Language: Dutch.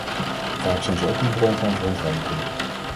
Vaak zijn ze ook een bron van verontreiniging.